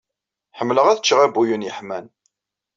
Ḥemmleɣ ad cceɣ abuyun yeḥman.